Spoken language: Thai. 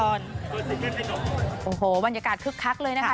โอ้โหบรรยากาศคึกคักเลยนะคะ